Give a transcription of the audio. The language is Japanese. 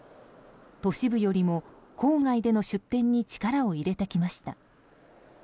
都市部よりも郊外での出店に力を入れてきました。